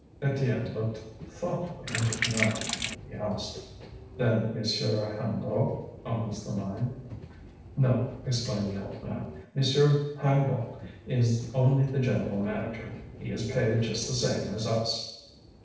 Étienne looked thoughtfully into the night. He asked: "Then Monsieur Hennebeau owns the mine?" "No," explained the old man, "Monsieur Hennebeau is only the general manager; he is paid just the same as us."